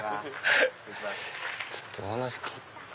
ちょっとお話聞いて。